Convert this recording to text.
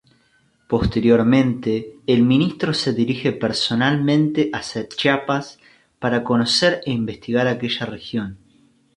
Posteriormente, el Ministro se dirige personalmente hacia Chiapas para conocer e investigar aquella región.